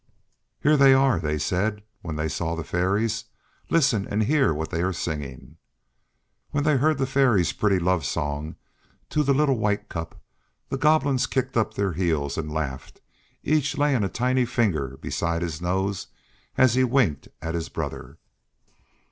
"Here they are," they said, when they saw the Fairies. "Listen and hear what they are singing." When they heard the Fairies' pretty love song to the little White Cup the Goblins kicked up their heels and laughed, each laying a tiny finger beside his nose as he winked at his brother.